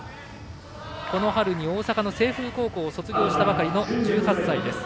この春に大阪の清風高校を卒業したばかりの１８歳です。